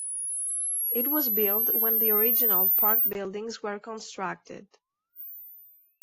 It was built when the original park buildings were constructed.